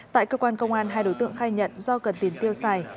tại cơ quan công an hai đối tượng khai nhận do cần tiền tiêu xài